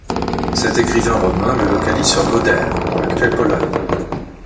Cet écrivain romain le localise sur l’Oder, dans l'actuelle Pologne.